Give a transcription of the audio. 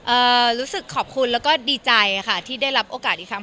รู้สึกขอบคุณแล้วก็ดีใจค่ะที่ได้รับโอกาสอีกครั้ง